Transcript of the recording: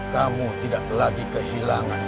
kamu tidak lagi kehilangan